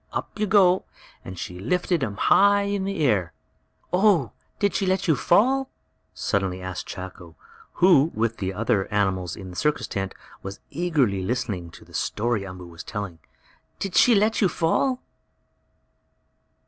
"Up you go!" and she lifted him high in the air. "Oh, did she let you fall?" suddenly asked Chako, who, with the other animals in the circus tent, was eagerly listening to the story Umboo was telling. "Did she let you fall?"